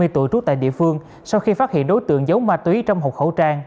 hai mươi tuổi trú tại địa phương sau khi phát hiện đối tượng giấu ma túy trong hộp khẩu trang